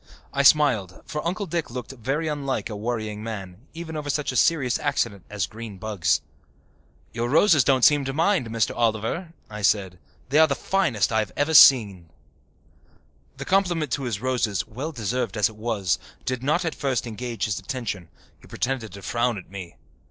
I smiled, for Uncle Dick looked very unlike a worrying man, even over such a serious accident as green bugs. "Your roses don't seem to mind, Mr. Oliver," I said. "They are the finest I have ever seen." The compliment to his roses, well deserved as it was, did not at first engage his attention. He pretended to frown at me.